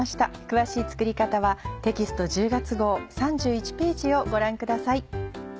詳しい作り方はテキスト１０月号３１ページをご覧ください。